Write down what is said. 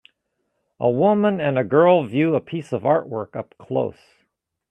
A woman and a girl view a piece of artwork up close.